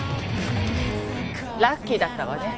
ラッキーだったわね。